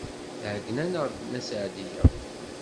Tɛeyyen-aneɣ-d Nna Seɛdiya.